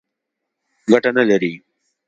ګټه نه لري.